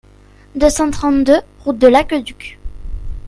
deux cent trente-deux route de l'Acqueduc